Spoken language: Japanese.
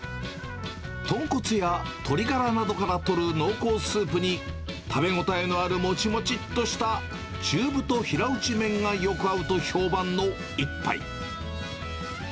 豚骨や鶏がらなどからとる濃厚スープに、食べ応えのあるもちもちっとした中太平打ち麺がよく合うと評判の一杯。